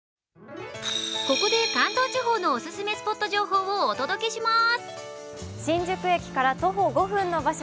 ここで関東地方のオススメスポット情報をお届けしまーす。